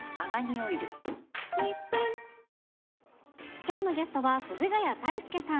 きょうのゲストは、藤ヶ谷太輔さん。